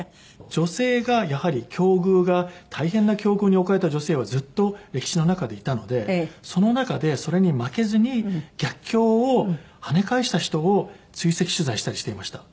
女性がやはり境遇が大変な境遇に置かれた女性はずっと歴史の中でいたのでその中でそれに負けずに逆境を跳ね返した人を追跡取材したりしていました。